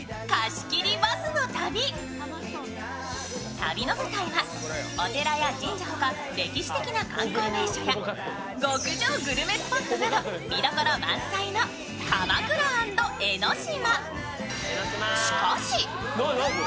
旅の舞台はお寺や神社ほか歴史的な観光名所や極上グルメスポットなど見どころ満載の鎌倉＆江の島。